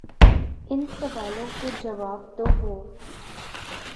ان سوالوں کے جواب تو ہوں۔